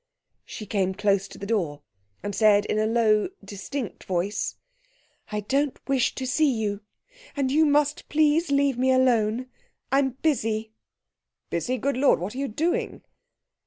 She came close to the door and said in a low, distinct voice 'I don't wish to see you, and you must please leave me alone. I'm busy.' 'Busy! Good Lord! What are you doing?'